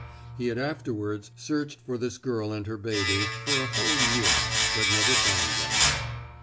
He had afterwards searched for this girl and her baby for a whole year, but never found them.